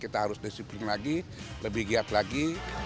kita harus disiplin lagi lebih giat lagi